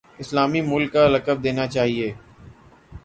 اسلامی ملک کا لقب دینا چاہیے۔